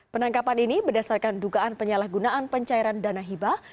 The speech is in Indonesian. penangkapan ini berdasarkan dugaan penyalahgunaan pencairan dana hibah